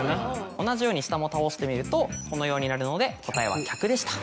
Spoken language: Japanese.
同じように下も倒してみるとこのようになるので。